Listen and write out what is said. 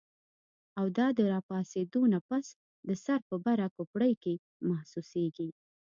او دا د راپاسېدو نه پس د سر پۀ بره کوپړۍ کې محسوسيږي